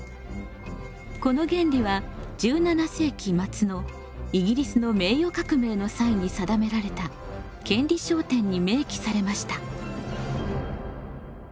この原理は１７世紀末のイギリスの名誉革命の際に定められた「権利章典」に明記されました。